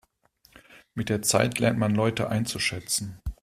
Mit der Zeit lernt man Leute einzuschätzen.